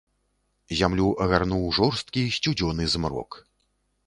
Зямлю агарнуў жорсткі сцюдзёны змрок.